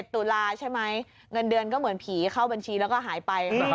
ตุลาใช่ไหมเงินเดือนก็เหมือนผีเข้าบัญชีแล้วก็หายไป